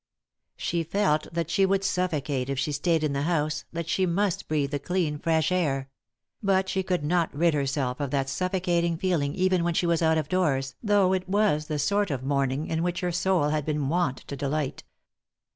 She felt that she would suffocate if she stayed in the house, that she must breathe the clean, fresh air; but she could not rid herself of that suffocating feeling even when she was out of doors, though it was the sort of morning in which her soul had been wont to delight.